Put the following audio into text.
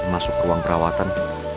masuk ke uang perawatan